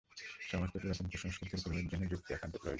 সমস্ত পুরাতন কুসংস্কার দূর করিবার জন্য যুক্তি একান্ত প্রয়োজন।